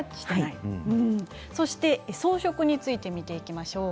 装飾について見ていきましょう。